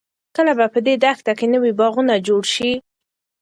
کله به په دې دښته کې نوې باغونه جوړ شي؟